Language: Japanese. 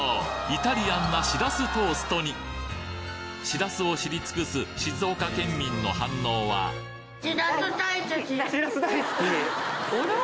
イタリアンなしらすトーストにしらすを知り尽くすしらす大好き？